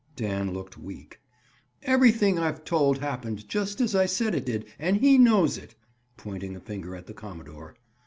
Dan looked weak. "Everything I've told happened just at I said it did, and he knows it." Pointing a finger at the commodore.